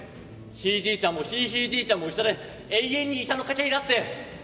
ひい爺ちゃんもひいひい爺ちゃんも医者で永遠に医者の家系だって。